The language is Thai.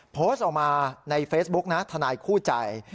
โพสต์ออกมาในเฟซบุ๊กนะทนายคู่ใจ